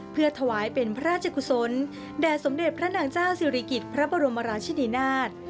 เพื่อถวายเป็นพระราชกุศลแด่สมเด็จพระนางเจ้าศิริกิจพระบรมราชินีนาฏ